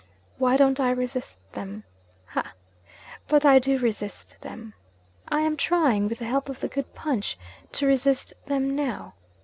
Why don't I resist them? Ha! but I do resist them. I am trying (with the help of the good punch) to resist them now.